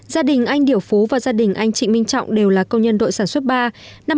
gia đình anh điểu phú và gia đình anh chị minh trọng đều là công nhân đội sản xuất ba